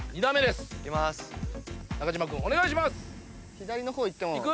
左の方に行っても。